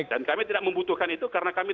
dan kami tidak membutuhkan itu karena kami